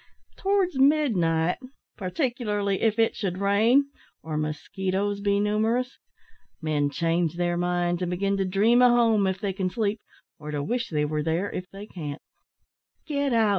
Towards midnight particularly if it should rain, or mosquitoes be numerous men change their minds, and begin to dream of home, if they can sleep, or to wish they were there, if they can't." "Get out!